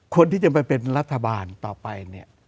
คนที่จะมาเป็นรัฐบาลต่อไป